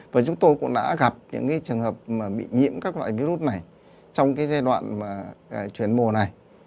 và chúng tôi cũng đã gặp những trường hợp mà bị nhiễm các loại virus này trong cái giai đoạn chuyển mùa này